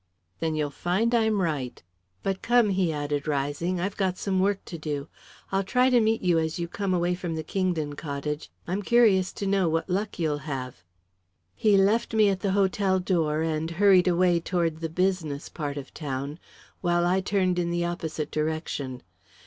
"Then you'll find I'm right. But come," he added, rising, "I've got some work to do. I'll try to meet you as you come away from the Kingdon cottage. I'm curious to know what luck you'll have." He left me at the hotel door and hurried away toward the business part of the town, while I turned in the opposite direction.